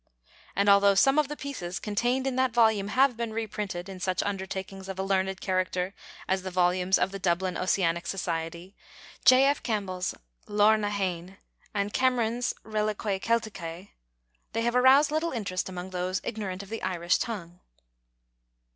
And although some of the pieces contained in that volume have been reprinted in such undertakings of a learned character as the volumes of the Dublin Ossianic Society, J.F. Campbell's Leabhar na Feinne, and Cameron's Reliquiae Celticae, they have aroused little interest amongst those ignorant of the Irish tongue.